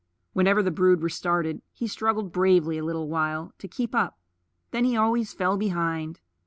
Whenever the brood were startled, he struggled bravely a little while to keep up; then he always fell behind.